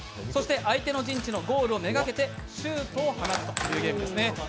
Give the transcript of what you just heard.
相手の陣地のゴールを目掛けてシュートを放つというゲームです。